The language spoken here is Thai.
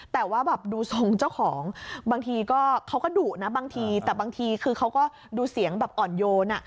แต่ว่าดูทรงเจ้าของเขาก็ดุนะบางทีแต่บางทีเขาก็ดูเสียงอ่อนโยน